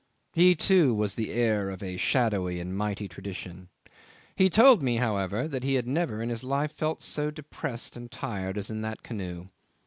He too was the heir of a shadowy and mighty tradition! He told me, however, that he had never in his life felt so depressed and tired as in that canoe.